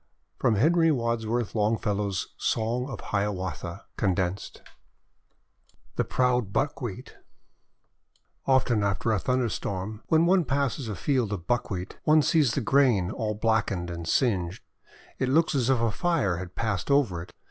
" From HENRY WADSWORTH LONGFELLOW'S Song of Hiawatha (condensed} THE PROUD BUCKWHEAT OFTEN after a thunderstorm, when one passes a field of Buckwheat, one sees the grain all black ened and singed. It looks as if a fire had passed over it.